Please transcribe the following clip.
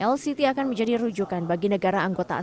lct akan menjadi rujukan bagi negara anggota asean